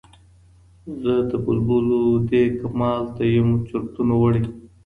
زه د بلبلو دې کمال ته یم چرتونو وړی